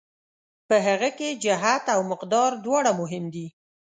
په هغه کې جهت او مقدار دواړه مهم دي.